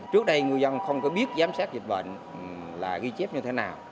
trước đây ngư dân không có biết giám sát dịch bệnh là ghi chép như thế nào